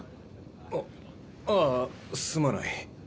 あっああすまない。